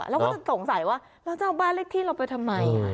เราก็จะสงสัยว่าเราจะเอาบ้านเลขที่เราไปทำไม